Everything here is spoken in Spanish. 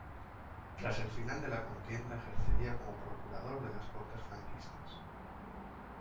Tras el final de la contienda ejercería como procurador de las Cortes franquistas.